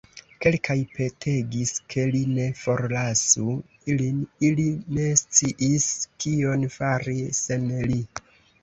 Kelkaj petegis, ke li ne forlasu ilin; ili ne sciis, kion fari sen li.